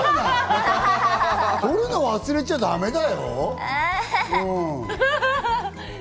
撮るの忘れちゃだめだよ。